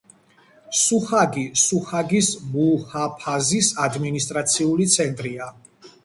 სუჰაგი სუჰაგის მუჰაფაზის ადმინისტრაციული ცენტრია.